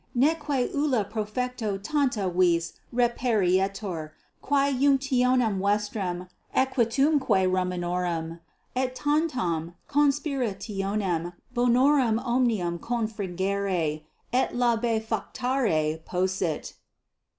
Neque ulla profecto tanta vis reperietur, quae coniunctionem vestram equitumque Romanorum et tantam conspirationem bonorum omnium confringere et labefactare possit.